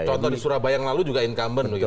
contoh di surabaya yang lalu juga incumbent begitu